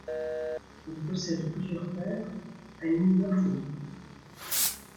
Il possède plusieurs terres à Niuafoʻou.